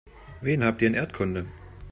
Wen habt ihr in Erdkunde?